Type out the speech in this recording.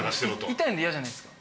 痛いの嫌じゃないですか？